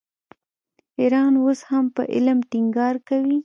ایران اوس هم په علم ټینګار کوي.